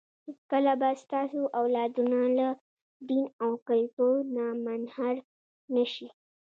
هېڅکله به ستاسو اولادونه له دین او کلتور نه منحرف نه شي.